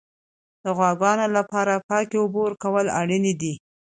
د غواګانو لپاره پاکې اوبه ورکول اړین دي.